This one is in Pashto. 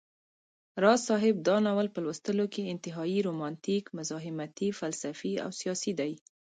راز صاحب دا ناول په لوستلو کي انتهائى رومانتيک، مزاحمتى، فلسفى او سياسى دى